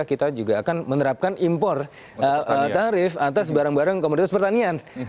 kita juga akan menerapkan impor tarif atas barang barang komoditas pertanian